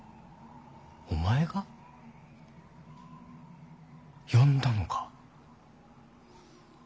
お前が呼んだのか。